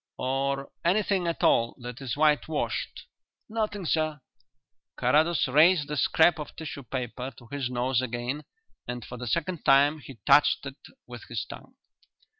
"Or anything at all that is whitewashed?" "Nothing, sir." Carrados raised the scrap of tissue paper to his nose again, and for the second time he touched it with his tongue.